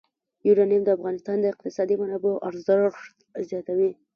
یورانیم د افغانستان د اقتصادي منابعو ارزښت زیاتوي.